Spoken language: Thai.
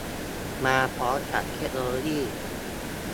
มาพร้อมกับเทคโนโลยี